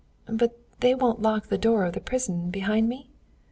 "But won't they lock the door of the prison behind me?"